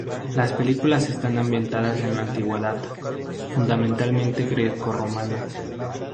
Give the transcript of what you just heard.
Las películas están ambientadas en la Antigüedad, fundamentalmente greco-romana.